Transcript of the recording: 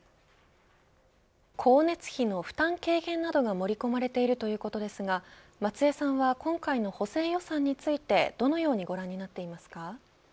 光熱費の負担軽減などが盛り込まれているということですが松江さんは今回の補正予算についてどのようにご覧になっていますか。